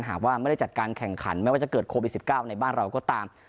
หากว่าไม่ได้จัดการแข่งขันไม่ว่าจะเกิดโควิด๑๙ในบ้านเราก็ตาม